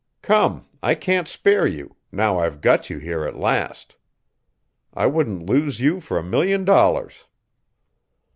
Come, I can't spare you, now I've got you here at last. I wouldn't lose you for a million dollars."